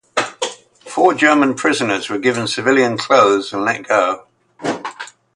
Four German prisoners were given civilian clothes and let go.